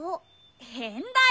へんだよ。